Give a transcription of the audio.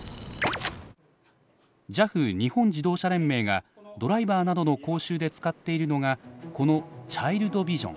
ＪＡＦ日本自動車連盟がドライバーなどの講習で使っているのがこのチャイルドビジョン。